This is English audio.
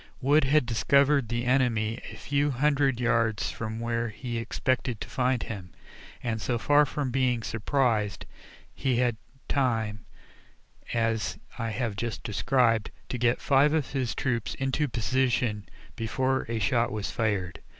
Wood had discovered the enemy a few hundred yards from where he expected to find him, and so far from being "surprised," he had time, as I have just described, to get five of his troops into position before a shot was fired.